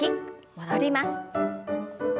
戻ります。